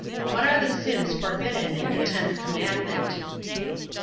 What are the sins forbidden in the tenth commandment?